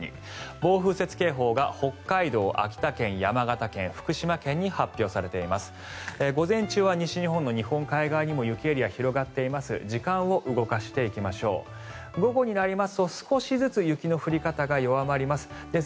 暴風雪警報が北海道、秋田県山形県、福島県に発表されています。